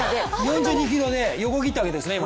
４２キロで横切ったわけですね。